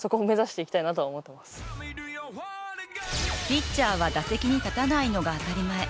ピッチャーは打席に立たないのが当たり前。